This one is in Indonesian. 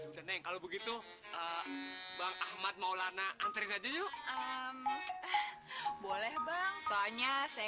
bener kalau begitu bang ahmad maulana antre gajah yuk boleh bang soalnya saya